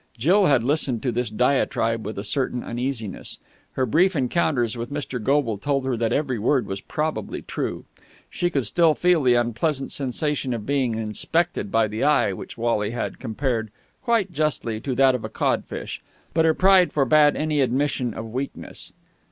Jill had listened to this diatribe with a certain uneasiness. Her brief encounters with Mr. Goble told her that every word was probably true. She could still feel the unpleasant sensation of being inspected by the eye which Wally had compared quite justly to that of a codfish. But her pride forbade any admission of weakness.